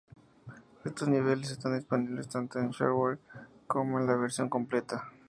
Estos niveles están disponibles tanto en Shareware como en la versión completa.